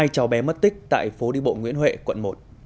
hai cháu bé mất tích tại phố đi bộ nguyễn huệ quận một